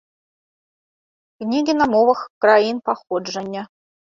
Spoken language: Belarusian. Кнігі на мовах краін паходжання.